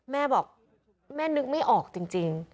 แม่บอกแม่นึกไม่ออกจริง